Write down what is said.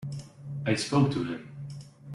I spoke to him.